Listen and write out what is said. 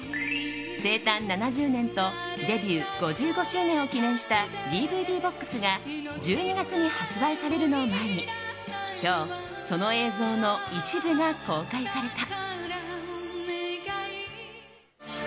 生誕７０年とデビュー５５周年を記念したＤＶＤボックスが１２月に発売されるのを前に今日その映像の一部が公開された。